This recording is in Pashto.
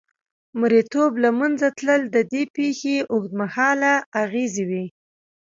مریتوب له منځه تلل د دې پېښې اوږدمهاله اغېزې وې.